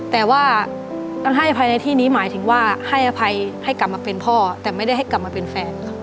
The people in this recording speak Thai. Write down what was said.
แต่ว่าต้องให้ภายในที่นี้หมายถึงว่าให้อภัยให้กลับมาเป็นพ่อแต่ไม่ได้ให้กลับมาเป็นแฟน